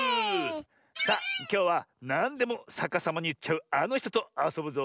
さあきょうはなんでもさかさまにいっちゃうあのひととあそぶぞ！